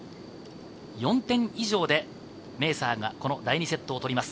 ４点以上でメーサーが第２セットを取ります。